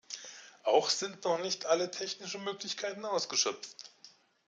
Auch sind noch nicht alle technischen Möglichkeiten ausgeschöpft.